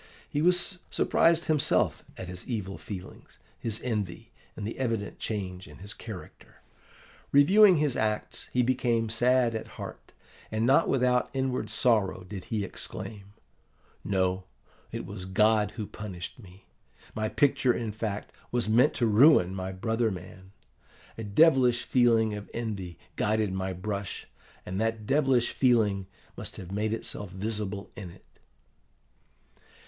He was surprised himself at his evil feelings, his envy, and the evident change in his character. Reviewing his acts, he became sad at heart; and not without inward sorrow did he exclaim, 'No, it was God who punished me! my picture, in fact, was meant to ruin my brother man. A devilish feeling of envy guided my brush, and that devilish feeling must have made itself visible in it.